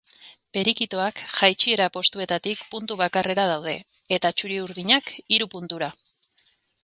Perikitoak jaitsiera postuetatik puntu bakarrera daude, eta txuri-urdinak hiru puntura.